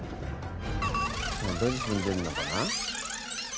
ドジ踏んでるのかな？